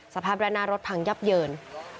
สภาพด้านหน้ารถพังยับเยิน